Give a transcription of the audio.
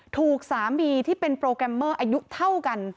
ถูกสามีที่เป็นโปรแกรมเมอร์อายุเท่ากัน